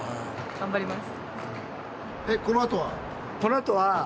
頑張ります